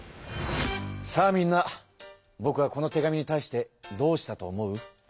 さあみんなぼくはこの手紙に対してどうしたと思う？